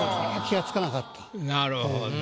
なるほど。